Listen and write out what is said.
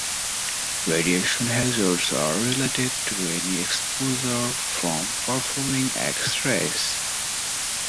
Radiation hazards are related to any exposure from performing x-rays.